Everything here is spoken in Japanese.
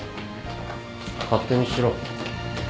勝手にしろ。